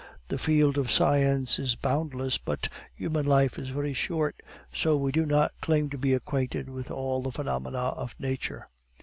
The field of science is boundless, but human life is very short, so that we do not claim to be acquainted with all the phenomena of nature."